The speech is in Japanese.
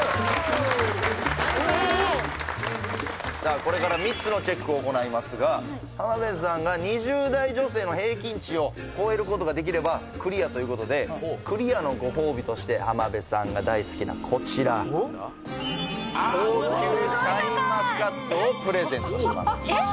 これから３つのチェックを行いますが浜辺さんが２０代女性の平均値を超えることができればクリアということでクリアのごほうびとして浜辺さんが大好きなこちら高級シャインマスカットをプレゼントしますえっ？